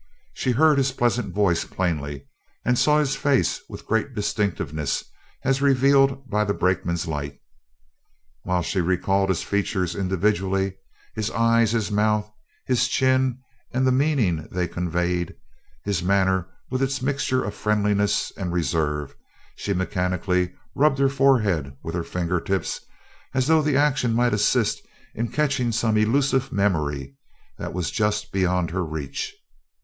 She heard his pleasant voice plainly and saw his face with great distinctness as revealed by the brakeman's light. While she recalled his features individually his eyes, his mouth, his chin, and the meaning they conveyed, his manner with its mixture of friendliness and reserve, she mechanically rubbed her forehead with her finger tips as though the action might assist in catching some elusive memory that was just beyond her reach.